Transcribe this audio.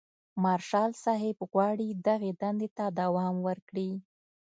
مارشال صاحب غواړي دغې دندې ته دوام ورکړي.